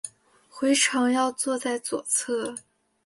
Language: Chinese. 回程要坐在左侧